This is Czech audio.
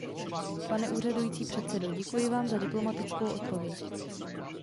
Pane úřadující předsedo, děkuji vám za diplomatickou odpověď.